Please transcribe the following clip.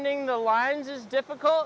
pada awal menemukan garisnya sulit